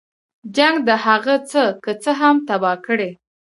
جنګ د هغه څه که څه هم تباه کړي.